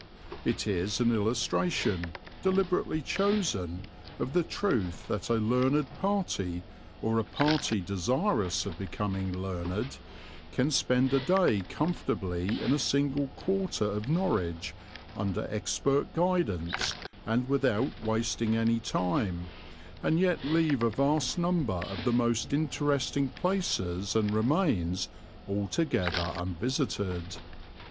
It is an illustration, deliberately chosen, of the truth that a learned party, or a party desirous of becoming learned, can spend a day comfortably in a single quarter of Norwich under expert guidance and without wasting any time, and yet leave a vast number of the most interesting places and remains altogether unvisited.